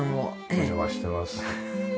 お邪魔してます。